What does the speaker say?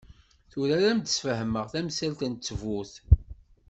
Tura ad am-d-ssfehmeɣ tamsalt s ttbut.